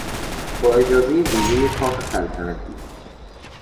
با اجازهی ویژهی کاخ سلطنتی